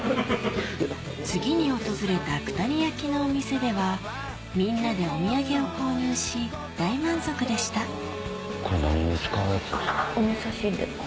次に訪れた九谷焼のお店ではみんなでお土産を購入し大満足でしたこれ何に使うやつですか？